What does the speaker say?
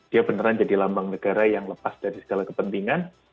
dia beneran jadi lambang negara yang lepas dari segala kepentingan